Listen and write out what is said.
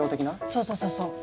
そうそうそうそう。